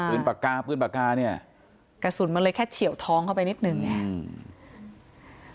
ปากกาปืนปากกาเนี่ยกระสุนมันเลยแค่เฉียวท้องเข้าไปนิดหนึ่งเนี่ยอืม